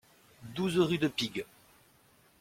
douze rue de Pigue